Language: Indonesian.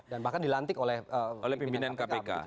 bahkan dilantik oleh pimpinan kpk